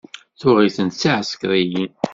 Tuɣ-itent d tiεsekriyin.